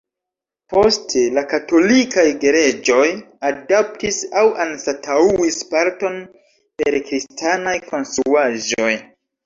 Poste, la Katolikaj Gereĝoj adaptis aŭ anstataŭis parton per kristanaj konstruaĵoj.